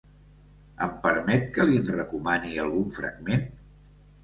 Em permet que li'n recomani algun fragment?